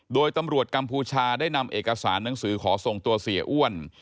โดยตำรวจกัมพูชาได้นำเอกสารหนังสือขอส่งตัวเสียอ้วน